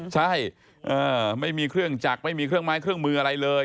ใช่ไม่มีเครื่องจักรไม่มีเครื่องไม้เครื่องมืออะไรเลย